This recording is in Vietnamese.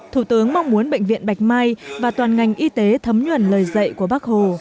thủ tướng mong muốn bệnh viện bạch mai và toàn ngành y tế thấm nhuần lời dạy của bác hồ